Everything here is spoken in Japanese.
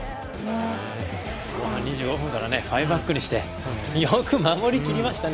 後半２５分から５バックにしてよく守りきりましたね